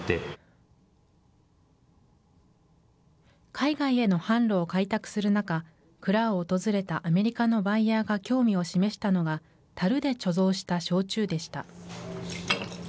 海外への販路を開拓する中、蔵を訪れたアメリカのバイヤーが興味を示したのが、たるで貯蔵した焼酎でした。